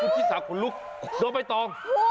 พี่ศาขนลุกโดนไปต้อง